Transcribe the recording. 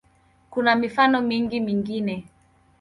Kuna mifano mingi mingine.